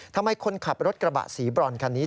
ทำไมคนขับรถกระบะสีบรอนคันนี้